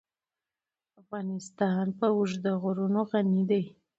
افغانستان په اوږده غرونه غني دی.